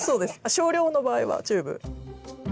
少量の場合はチューブ。